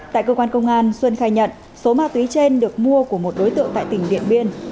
tại cơ quan công an xuân khai nhận số ma túy trên được mua của một đối tượng tại tỉnh điện biên